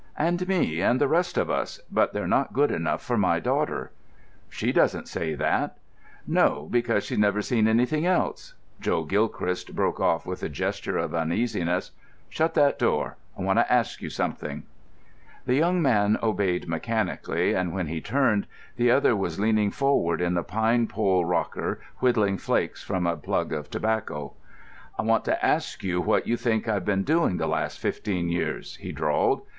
"And me, and the rest of us; but they're not good enough for my daughter." "She doesn't say that." "No, because she's never seen anything else——" Joe Gilchrist broke off with a gesture of uneasiness. "Shut that door; I want to ask you something." The young man obeyed mechanically, and when he turned, the other was leaning forward in the pine pole rocker, whittling flakes from a plug of tobacco. "I want to ask you what you think I've been doing the last fifteen years," he drawled.